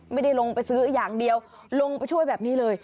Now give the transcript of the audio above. ไม่ได้ลงไปซื้ออย่างเดียวลงไปช่วยแบบนี้เลย